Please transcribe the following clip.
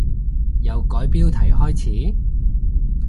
由改標題開始？